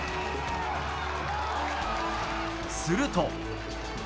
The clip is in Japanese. すると。